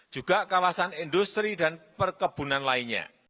juga kawasan industri dan perkebunan lainnya